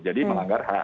jadi menganggar hak